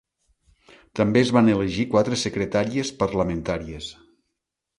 També es van elegir quatre secretaries parlamentàries.